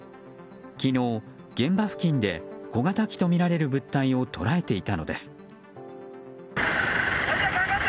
昨日、現場付近で小型機とみられる物体を捉えていたのです。